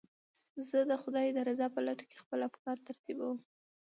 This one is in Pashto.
زه د خدای د رضا په لټه کې خپل افکار ترتیبوم.